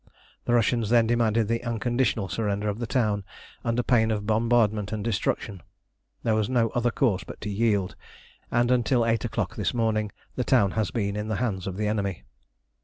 The Russians then demanded the unconditional surrender of the town, under pain of bombardment and destruction. There was no other course but to yield, and until eight o'clock this morning the town has been in the hands of the enemy.